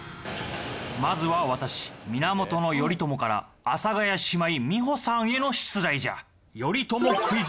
まずは私源頼朝から阿佐ヶ谷姉妹美穂さんへの出題じゃ。